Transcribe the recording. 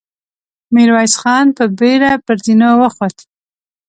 ميرويس خان په بېړه پر زينو وخوت.